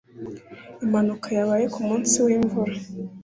Impanuka yabaye kumunsi wimvura.